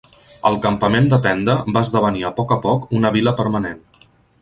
El campament de tenda va esdevenir a poc a poc una vila permanent.